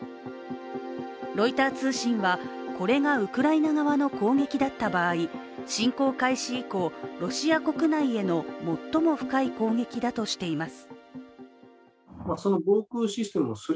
ロイター通信は、これがウクライナ側の攻撃だった場合侵攻開始以降、ロシア国内への最も深い攻撃だとしています。